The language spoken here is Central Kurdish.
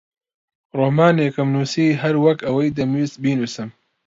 ڕۆمانێکم نووسی هەر وەک ئەوەی دەمویست بینووسم.